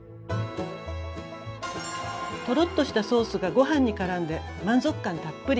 トロッとしたソースがご飯にからんで満足感たっぷり。